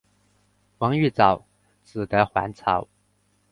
王玉藻只得还朝。